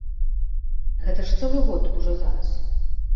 Гэта ж цэлы год ужо зараз.